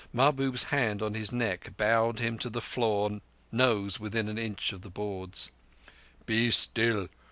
Mahbub's hand on his neck bowed him to the floor, nose within an inch of the boards. "Be still.